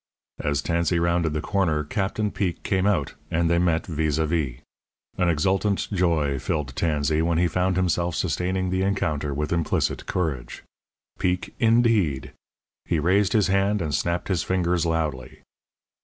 As Tansey rounded the corner Captain Peek came out, and they met vis a vis. An exultant joy filled Tansey when he found himself sustaining the encounter with implicit courage. Peek, indeed! He raised his hand, and snapped his fingers loudly.